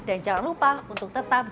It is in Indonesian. anda harus mengambil alat kesehatan